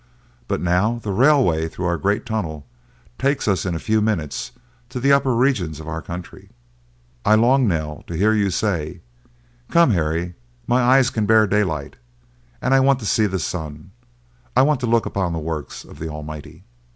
But now the railway through our great tunnel takes us in a few minutes to the upper regions of our country. I long, Nell, to hear you say, 'Come, Harry, my eyes can bear daylight, and I want to see the sun! I want to look upon the works of the Almighty.